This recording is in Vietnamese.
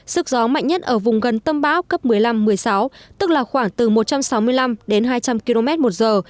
sức gió mạnh nhất ở vùng gần tâm bão cấp một mươi năm một mươi sáu tức là khoảng từ một trăm sáu mươi năm đến hai trăm linh km một giờ